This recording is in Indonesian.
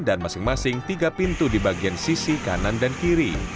dan masing masing tiga pintu di bagian sisi kanan dan kiri